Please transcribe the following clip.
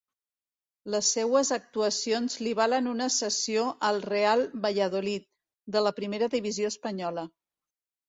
Les seues actuacions li valen una cessió al Real Valladolid, de la primera divisió espanyola.